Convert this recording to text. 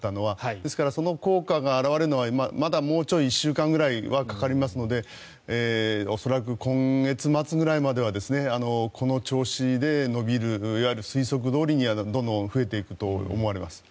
ですからその効果が表れるのはまだもうちょっと１週間くらいはかかりますので恐らく今月末ぐらいまではこの調子で伸びるいわゆる推測どおりには増えていくと思います。